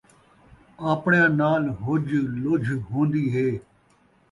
آپݨیاں نال حُج لُجھ ہوندی ہے